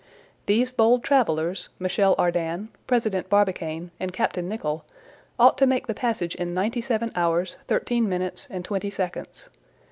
These bold travelers, Michel Ardan, President Barbicane, and Captain Nicholl, ought to make the passage in ninety seven hours, thirteen minutes, and twenty seconds.